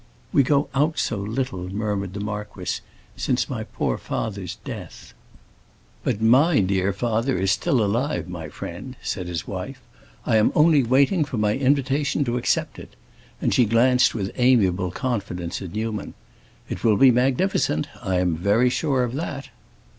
"We go out so little," murmured the marquis, "since my poor father's death." "But my dear father is still alive, my friend," said his wife. "I am only waiting for my invitation to accept it," and she glanced with amiable confidence at Newman. "It will be magnificent; I am very sure of that."